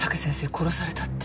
殺されたって。